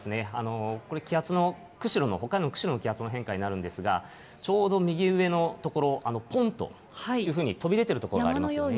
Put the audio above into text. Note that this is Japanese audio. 気圧の、北海道の釧路の北海道の変化になるんですが、ちょうど右上の所、ぽんというふうに飛び出ている所がありますね。